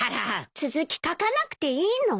続き描かなくていいの？